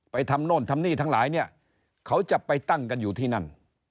ทำโน่นทำนี่ทั้งหลายเนี่ยเขาจะไปตั้งกันอยู่ที่นั่น